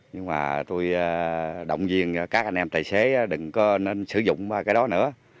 nhưng mà tôi động viên các anh em tài xế đừng có nên sử dụng cái đó nữa